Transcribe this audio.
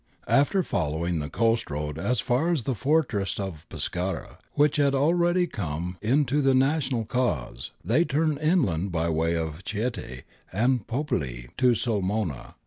After following the coast road as far as the fortress of Pescara, which had already come in to the national cause, they turned inland by way of Chieti and Popoli to Sulmona.